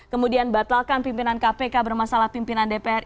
kemudian batalkan pimpinan kpk bermasalah pimpinan dpr